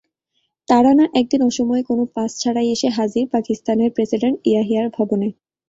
তারানা একদিন অসময়ে, কোনো পাস ছাড়াই এসে হাজির পাকিস্তানের প্রেসিডেন্ট ইয়াহিয়ার ভবনে।